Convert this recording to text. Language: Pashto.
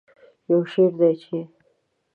یو شعر دی چې